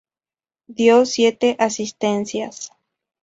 Dio siete asistencias.